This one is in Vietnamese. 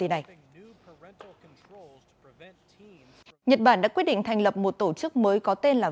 nhật bản đã quyết định thành lập một tổ chức mới có tên là